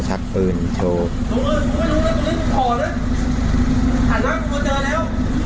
อ๋อเจ้าสีสุข่าวของสิ้นพอได้ด้วย